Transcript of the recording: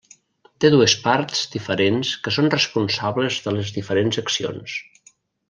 Té dues parts diferents que són responsables de les diferents accions.